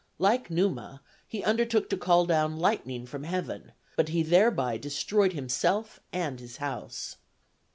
Like Numa he undertook to call down lightning from heaven, but he thereby destroyed himself and his house.